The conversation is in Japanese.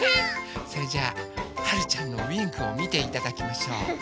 それじゃあはるちゃんのウインクをみていただきましょう。